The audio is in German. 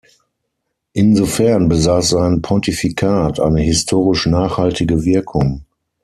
Insofern besaß sein Pontifikat eine historisch nachhaltige Wirkung.